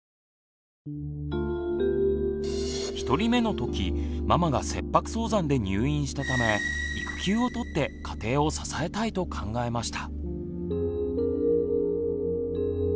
１人目の時ママが切迫早産で入院したため育休をとって家庭を支えたいと考えました。